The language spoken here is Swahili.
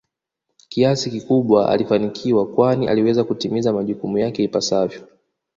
kiasi kikubwa alifanikiwa kwani aliweza kutimiza majukumu yake ipasavyo